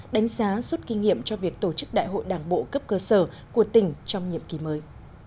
đánh giá suốt kinh nghiệm cho việc tổ chức đại hội đảng bộ cấp cơ sở của tỉnh trong nhiệm kỳ mới